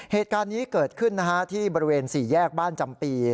เหตุการณ์นี้เกิดขึ้นที่บริเวณ๔แยกบ้านจำปี